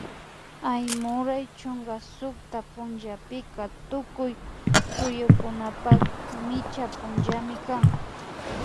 Aymuray chunka sukta punllapika tukuy suyukunapak micha punllami kan